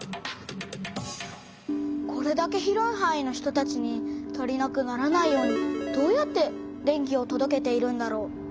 これだけ広いはんいの人たちに足りなくならないようにどうやって電気をとどけているんだろう？